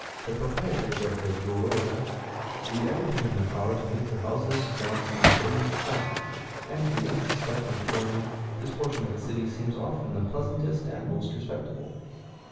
The proprietors of the jōrōya do everything in their power to make their houses, grounds, and employees attractive, and, to the unsuspecting foreigner, this portion of the city seems often the pleasantest and most respectable.